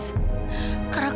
karena kamu lebih menyayangi